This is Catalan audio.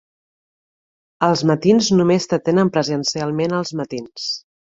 Els matins només t'atenen presencialment als matins.